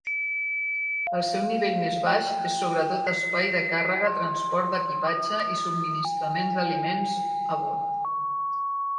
El seu nivell més baix és sobretot espai de càrrega, transport d'equipatge i subministrament d'aliments a bord.